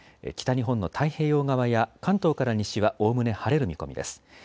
北日本の太平洋側や関東から西はおおむね晴れる見込みです。